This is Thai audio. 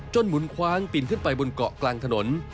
หมุนคว้างปีนขึ้นไปบนเกาะกลางถนน